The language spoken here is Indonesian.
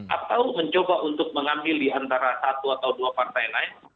atau mencoba untuk mengambil di antara satu atau dua partai lain